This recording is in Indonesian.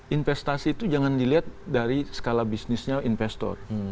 investasi itu jangan dilihat dari skala bisnisnya investor